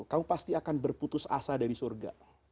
kamu pasti akan berputus asa dari surga